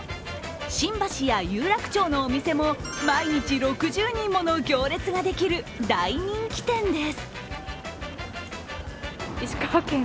新橋や有楽町のお店も毎日６０人もの行列ができる大人気店です。